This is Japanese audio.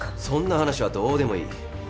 そんな話はどうでもいい。